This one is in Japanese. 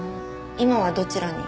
今はどちらに？